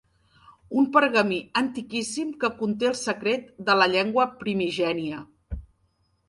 Un pergamí antiquíssim que conté el secret de la llengua primigènia.